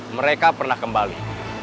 mereka pernah kembali